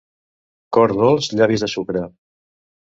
Cor dolç, llavis de sucre.